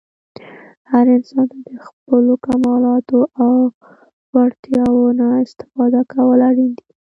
هر انسان ته د خپلو کمالاتو او وړتیاوو نه استفاده کول اړین دي.